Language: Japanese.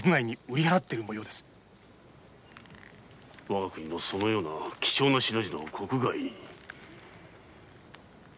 我が国のそのような貴重な品々を国外に！